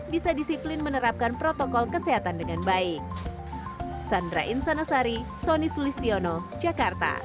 bisa disiplin menerapkan protokol kesehatan dengan baik